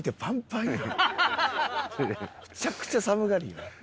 むちゃくちゃ寒がりやん。